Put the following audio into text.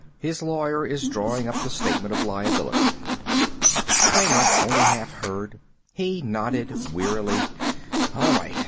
His lawyer is drawing up the statement of liability." Kramer only half heard. He nodded wearily. "All right.